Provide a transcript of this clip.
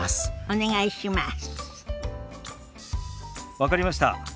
分かりました。